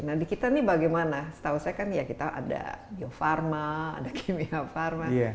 nah di kita ini bagaimana setahu saya kan ya kita ada biopharma ada kimia pharma